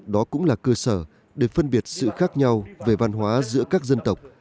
đó cũng là cơ sở để phân biệt sự khác nhau về văn hóa giữa các dân tộc